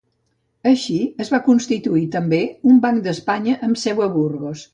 Així, es va constituir també un Banc d'Espanya, amb seu a Burgos.